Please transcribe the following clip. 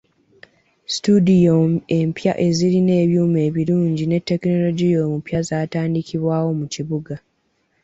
Situdiyo empya ezirina ebyuma ebirungi ne tekinologiya omupya zaatandikibwawo mu kibuga.